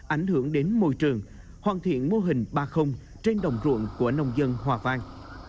ảnh hưởng đến môi trường hoàn thiện mô hình ba trên đồng ruộng của nông dân hòa vang